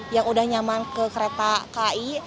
yang udah nyaman ke kereta ki